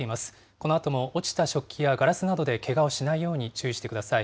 このあとも落ちた食器やガラスなどでけがをしないように注意してください。